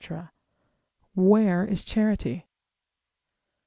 where is charity?